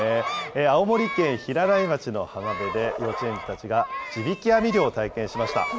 青森県平内町の浜辺で幼稚園児たちが地引き網漁を体験しました。